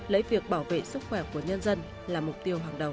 lấy việc bảo vệ sức khỏe của nhân dân là mục tiêu hàng đầu